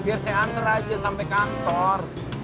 biar saya anter aja sampai kantor